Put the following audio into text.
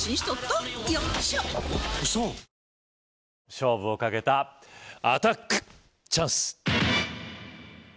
勝負をかけたアタックチャンス‼